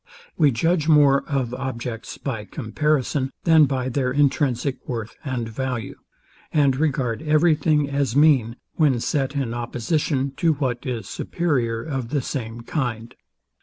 We judge more, of objects by comparison, than by their intrinsic worth and value; and regard every thing as mean, when set in opposition to what is superior of the same kind.